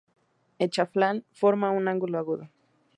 El chaflán forma un ángulo agudo.